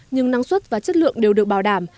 nhưng năng suất và chất lượng đều được bảo đảm